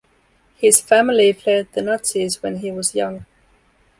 His family fled the Nazis when he was young.